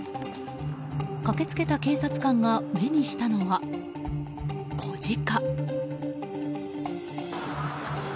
駆けつけた警察官が目にしたのは子ジカ。